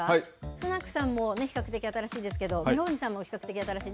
スナクさんも比較的新しいですけど、メローニさんも比較的新しい。